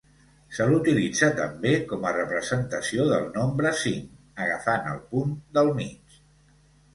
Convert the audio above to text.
Se l'utilitza també com a representació del nombre cinc agafant el punt del mig.